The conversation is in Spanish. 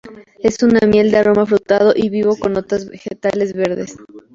Es una miel de aroma afrutado y vivo con notas vegetales verdes.